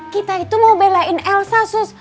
kita itu mau belain elsa sus